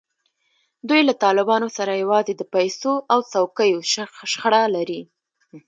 دوی له طالبانو سره یوازې د پیسو او څوکیو شخړه لري.